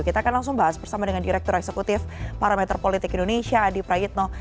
kita akan langsung bahas bersama dengan direktur eksekutif parameter politik indonesia adi prayitno